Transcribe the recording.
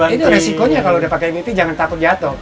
itu resikonya kalau udah pakai miti jangan takut jatuh